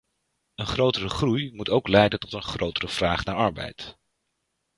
Een grotere groei moet ook leiden tot een grotere vraag naar arbeid.